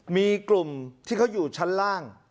มีกลุ่มที่เขาอยู่ชั้นล่าง